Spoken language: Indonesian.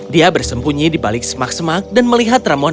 dia bersembunyi di balik semak semak dan melihat ramuan